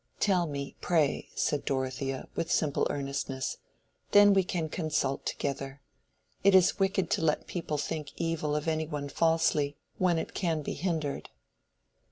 "Tell me, pray," said Dorothea, with simple earnestness; "then we can consult together. It is wicked to let people think evil of any one falsely, when it can be hindered."